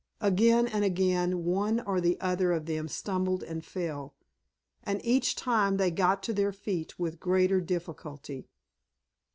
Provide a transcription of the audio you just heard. Again and again one or the other of them stumbled and fell, and each time they got to their feet with greater difficulty.